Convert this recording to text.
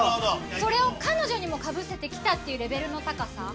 それを彼女にもかぶせて来たレベルの高さ。